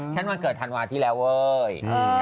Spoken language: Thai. ฉันวานเกิดธันวาคฤที่แล้วเห้ย